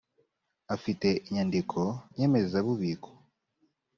afite inyandiko nyemezabubiko.